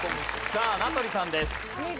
さあ名取さんです。